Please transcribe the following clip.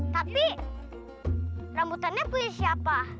tapi rambutannya punya siapa